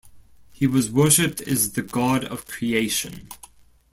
He was worshipped as the god of creation.